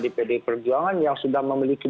di pd perjuangan yang sudah memiliki